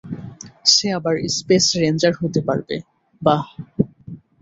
সে আবার space ranger হতে পারবে, বায।